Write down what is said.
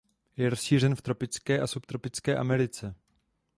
Je rozšířen v tropické a subtropické Americe.